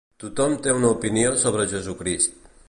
Tothom té una opinió sobre Jesucrist.